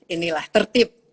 ini lah tertib